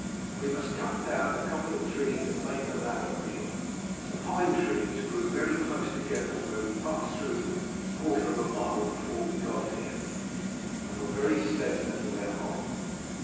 "We must cut down a couple of trees and make a ladder, Beorn. The pine trees grew very close together where we passed through them a quarter of a mile before we got here, and were very slender for their height.